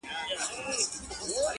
همېشه ګرځي په ډلو پر مردارو.!